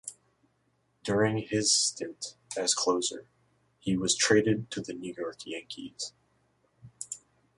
During his stint as closer, he was traded to the New York Yankees.